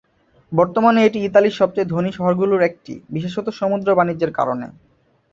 বর্তমানে এটি ইতালির সবচেয়ে ধনী শহরগুলোর একটি, বিশেষত সমুদ্র বাণিজ্যের কারণে।